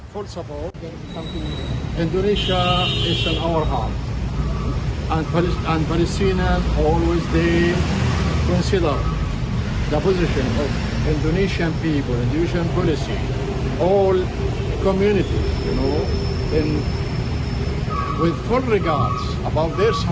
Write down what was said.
kami berharap dengan penuh pengertian tentang dukungan mereka